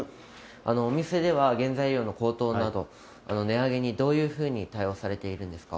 お店では、原材料の高騰など、値上げにどういうふうに対応されているんですか？